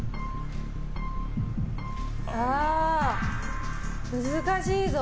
あー、難しいぞ。